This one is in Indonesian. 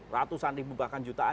ratusan ribu bahkan jutaan